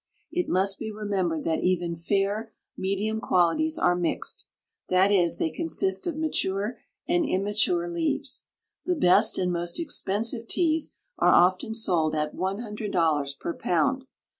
It must be remembered that even fair medium qualities are mixed; that is, they consist of mature and immature leaves. The best and most expensive teas are often sold at one hundred dollars per pound.